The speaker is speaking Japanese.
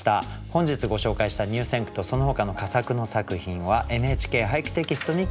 本日ご紹介した入選句とそのほかの佳作の作品は「ＮＨＫ俳句」テキストに掲載されます。